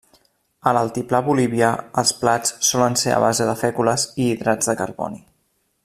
A l'altiplà bolivià els plats solen ser a base de fècules i hidrats de carboni.